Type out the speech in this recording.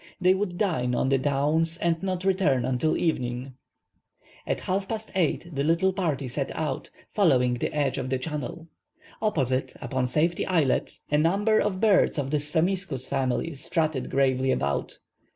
They would dine on the downs and not return until evening. At half past 8 the little party set out, following the edge of the channel. Opposite, upon Safety Islet, a number of birds of the sphemiscus family strutted gravely about.